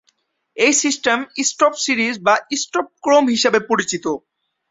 এই system stop series বা stop ক্রম হিসাবে পরিচিত।